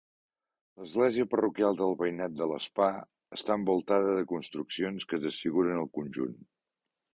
L'església parroquial del veïnat de l'Espà està envoltada de construccions que desfiguren el conjunt.